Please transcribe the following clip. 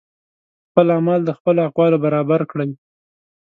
خپل اعمال د خپلو اقوالو برابر کړئ